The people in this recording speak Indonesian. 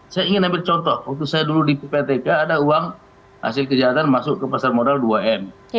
saya ingin ambil contoh waktu saya dulu di ppatk ada uang hasil kejahatan masuk ke pasar modal dua m